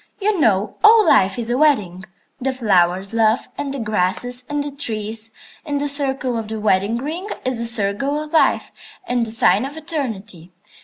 "You know, all life is a wedding. The flowers love, and the grasses, and the trees; and the circle of the wedding ring is the circle of life and the sign of eternity.